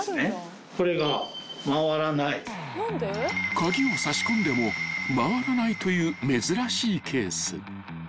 ［鍵を差し込んでも回らないという珍しいケース］